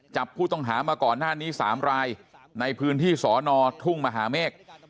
จับผู้ต้องหามาก่อนหน้านี้๓รายในพื้นที่สอนอทุ่งมหาเมฆ